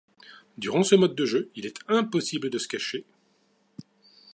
Durant ce mode de jeu, il est impossible de se cacher.